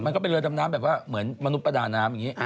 ก็เป็นเรือดำน้ำแบบว่าเหมือนมนุษย์ประดาน้ำอย่างนี้